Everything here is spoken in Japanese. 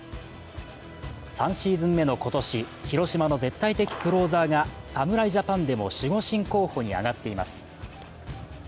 ３シーズン目の今年、広島の絶対的クローザーが侍ジャパンでも守護神候補に挙がっています。